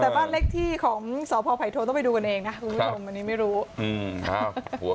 บ้านเล็กที่ของสพไพโทต้องไปดูกันเองนะวันนี้ไม่รู้หัว